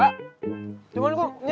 sampai jumpa di video selanjutnya